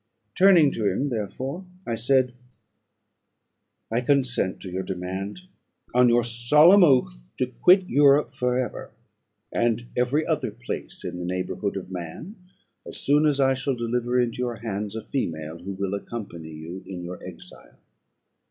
Turning to him, therefore, I said "I consent to your demand, on your solemn oath to quit Europe for ever, and every other place in the neighbourhood of man, as soon as I shall deliver into your hands a female who will accompany you in your exile."